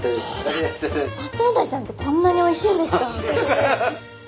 マトウダイちゃんってこんなにおいしいんですか？